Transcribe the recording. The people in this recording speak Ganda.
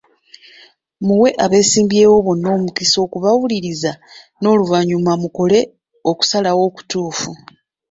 Muwe abeesimbyewo bonna omukisa okubawuliriza n’oluvanyuma mukole okusalawo okutuufu.